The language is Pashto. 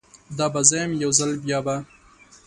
دا به زه یم، یوځل بیابه